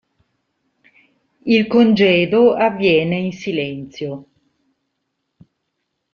Il congedo avviene in silenzio.